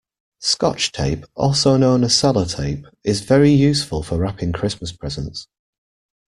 Scotch tape, also known as Sellotape, is very useful for wrapping Christmas presents